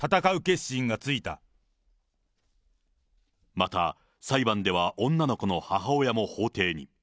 また、裁判では女の子の母親も法廷に。